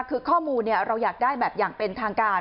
คือข้อมูลเราอยากได้แบบอย่างเป็นทางการ